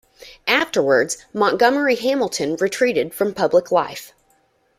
Afterwards, Montgomery Hamilton retreated from public life.